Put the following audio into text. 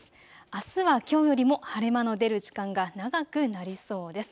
あすはきょうよりも晴れ間の出る時間が長くなりそうです。